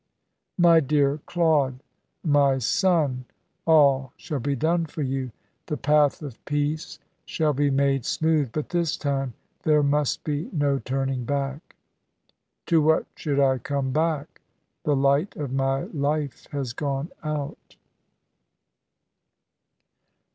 "My dear Claude, my son, all shall be done for you. The path of peace shall be made smooth; but this time there must be no turning back." "To what should I come back? The light of my life has gone out."